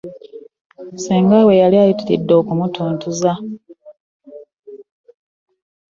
Ssenga we yali ayitiridde okumutuntuza.